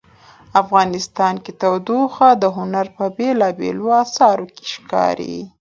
افغانستان کې تودوخه د هنر په بېلابېلو اثارو کې ښکاري.